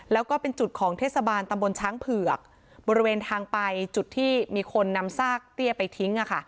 แล้วก็เป็นจุดของเทศบาลตำบลช้างเผือกบริเวณทางไปจุดที่มีคนนำซากเตี้ยไปทิ้ง